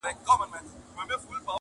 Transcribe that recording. لوټوي چي لوپټه د خورکۍ ورو ورو!.